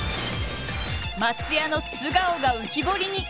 松也の素顔が浮き彫りに。